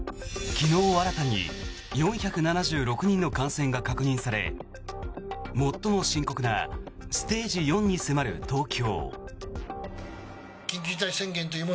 昨日、新たに４７６人の感染が確認され最も深刻なステージ４に迫る東京。